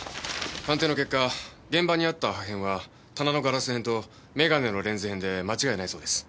鑑定の結果現場にあった破片は棚のガラス片とメガネのレンズ片で間違いないそうです。